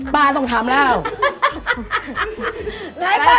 ป้าต้องทำแล้ว